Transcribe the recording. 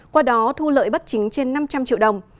qua đó thu lợi bất chính trên năm trăm linh triệu đồng